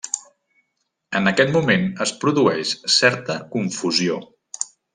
En aquest moment es produeix certa confusió.